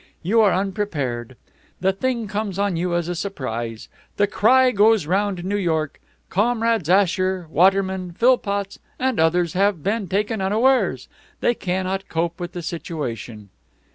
You are unprepared. The thing comes on you as a surprise. The cry goes round New York, 'Comrades Asher, Waterman, Philpotts, and others have been taken unawares. They cannot cope with the situation.'"